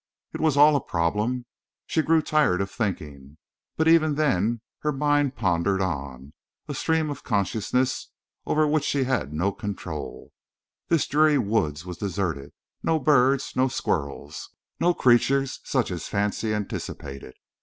It was all a problem. She grew tired of thinking. But even then her mind pondered on, a stream of consciousness over which she had no control. This dreary woods was deserted. No birds, no squirrels, no creatures such as fancy anticipated!